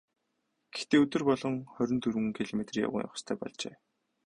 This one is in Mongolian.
Гэхдээ өдөр болгон хорин дөрвөн километр явган явах ёстой болжээ.